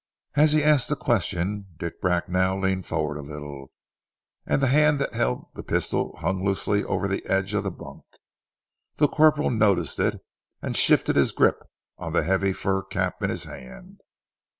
As he asked the question, Dick Bracknell leaned forward a little, and the hand that held the pistol hung loosely over the edge of the bunk. The corporal noticed it, and shifted his grip on the heavy fur cap in his hand.